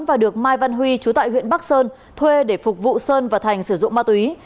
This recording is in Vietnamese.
và được mai văn huy chú tại huyện bắc sơn thuê để phục vụ sơn và thành sử dụng ma túy